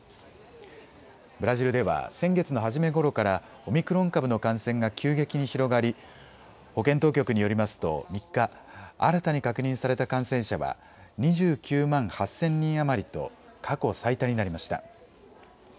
ブラジルでは先月の初めごろからオミクロン株の感染が急激に広がり保健当局によりますと３日、新たに確認された感染者は２９万８０００人余りと過去最多になりました。